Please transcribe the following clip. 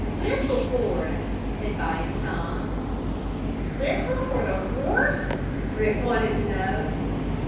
"Whistle for him!" advised Tom. "Whistle for the horse?" Rick wanted to know.